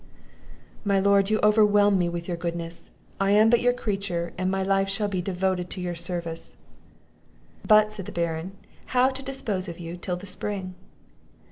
"My lord, you overwhelm me with your goodness! I am but your creature, and my life shall be devoted to your service." "But," said the Baron, "how to dispose of you till the spring?"